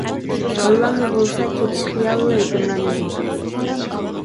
كاللامدا بولسا كېتىش خىيالىلا ھۆكۈمران ئىدى.